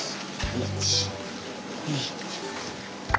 １。